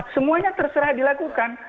semuanya terserah dilakukan